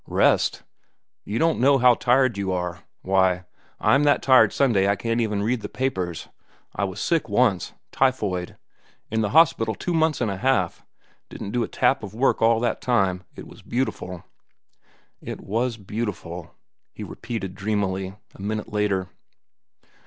"Rest. You don't know how tired you are. Why, I'm that tired Sunday I can't even read the papers. I was sick once—typhoid. In the hospital two months an' a half. Didn't do a tap of work all that time. It was beautiful." "It was beautiful," he repeated dreamily, a minute later.